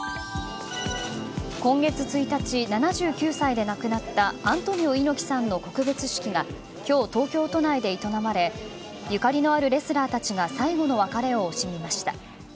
今月１日、７９歳で亡くなったアントニオ猪木さんの告別式が今日、東京都内で営まれゆかりのあるレスラーたちが最後の別れを惜しみました。